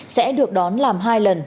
sẽ được đón làm hai lần